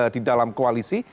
di dalam koalisi